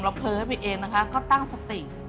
เราเพลินไปเองนะคะก็ตั้งสติก